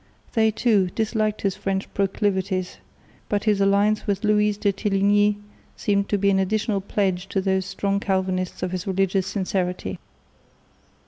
They, too, disliked his French proclivities, but his alliance with Louise de Téligny seemed to be an additional pledge to these strong Calvinists of his religious sincerity.